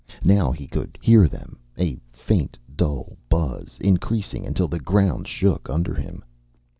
Now he could hear them, a faint dull buzz, increasing until the ground shook under him.